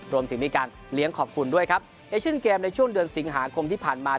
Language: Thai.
รวมถึงมีการเลี้ยงขอบคุณด้วยครับเอเชียนเกมในช่วงเดือนสิงหาคมที่ผ่านมา